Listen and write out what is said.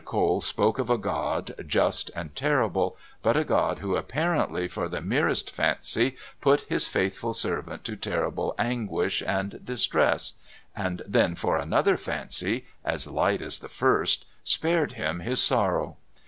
Cole spoke of a God just and terrible, but a God Who apparently for the merest fancy put His faithful servant to terrible anguish and distress, and then for another fancy, as light as the first, spared him his sorrow.